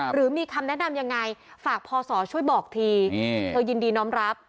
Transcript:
หรือมีคำแนะนำยังไงฝากพศช่วยบอกทีเธอยินดีน้องรับ